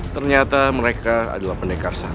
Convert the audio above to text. ternyata mereka adalah pendekar sara